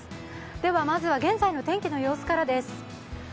では、まずは現在の天気の様子からです。